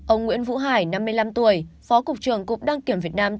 ông nguyễn vũ hải năm mươi năm tuổi phó cục trưởng cục đăng kiểm việt nam